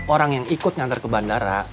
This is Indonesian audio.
orang yang ikut nyantar ke bandara